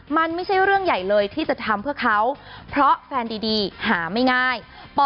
มันไม่ใช่เรื่องใหญ่เลยที่จะทำเพื่อเขาเพราะแฟนดีหาไม่ง่าย